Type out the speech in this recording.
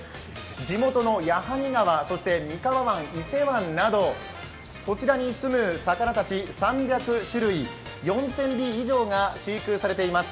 地元の矢作川、三河湾、伊勢湾などそちらにすむ魚たち３００種類４０００尾以上が飼育されています。